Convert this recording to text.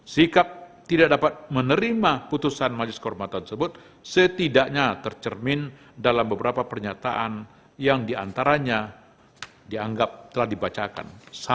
sikap tidak dapat menerima putusan majelis kehormatan tersebut setidaknya tercermin dalam beberapa pernyataan yang diantaranya dianggap telah dibacakan